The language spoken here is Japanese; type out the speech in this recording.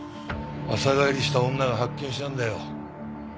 朝帰りした女が発見したんだよ。